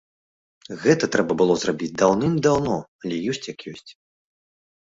Гэта трэба было зрабіць даўным-даўно, але ёсць як ёсць.